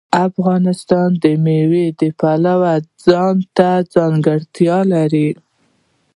افغانستان د مېوې د پلوه ځانته ځانګړتیا لري.